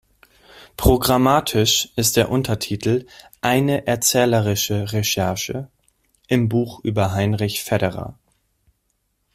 Programmatisch ist der Untertitel «eine erzählerische Recherche» im Buch über Heinrich Federer.